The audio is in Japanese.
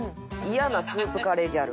嫌なスープカレーギャル。